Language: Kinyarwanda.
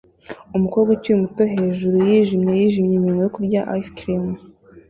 Umukobwa ukiri muto hejuru yijimye yijimye iminwa yo kurya ice cream